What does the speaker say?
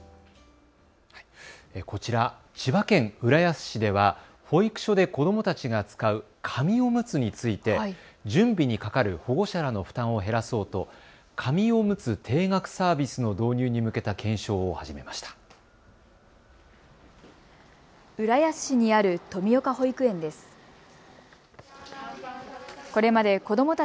こちら千葉県浦安市では保育所で子どもたちが使う紙おむつについて準備にかかる保護者らの負担を減らそうと紙おむつ定額サービスの導入に向けた検証を始めました。